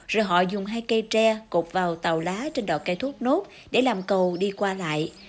rồi họ dùng hai cây tre cột vào tàu lá trên đọt cây thốt nốt để làm cầu đi qua lại